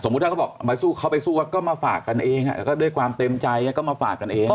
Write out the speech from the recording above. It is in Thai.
สมมุติถ้าเค้าไปสู้ก็มาฝากกันเองด้วยความเต็มใจก็มาฝากกันเอง